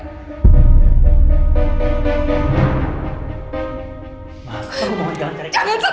ma aku mohon jangan cari